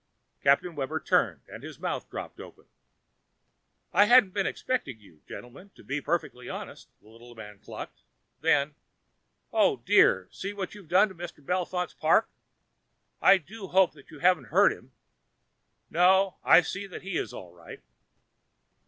Captain Webber turned and his mouth dropped open. "I hadn't been expecting you, gentlemen, to be perfectly honest," the little man clucked, then: "Oh dear, see what you've done to Mr. Bellefont's park. I do hope you haven't hurt him no, I see that he is all right."